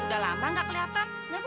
sudah lama nggak kelihatan